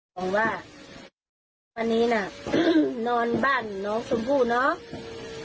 บอกว่าวันนี้น่ะนอนบ้านน้องชมพู่เนาะ